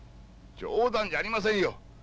冗談じゃありませんよ。